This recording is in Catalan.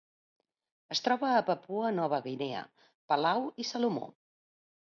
Es troba a Papua Nova Guinea, Palau i Salomó.